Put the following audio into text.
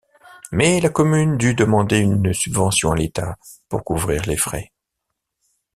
Mais la commune dut demander une subvention à l’État pour couvrir les frais.